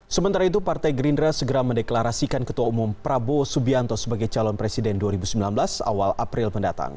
sementara itu partai gerindra segera mendeklarasikan ketua umum prabowo subianto sebagai calon presiden dua ribu sembilan belas awal april mendatang